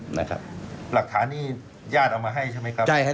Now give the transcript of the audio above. หลักฐานนี้ญาติเอามาให้ใช่ไหมครับ